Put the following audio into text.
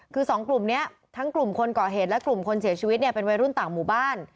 คือสองกลุ่มนี้ทั้งกลุ่มคนก่อเหตุและกลุ่มคนเสียชีวิตเนี่ยเป็นวัยรุ่นต่างหมู่บ้าน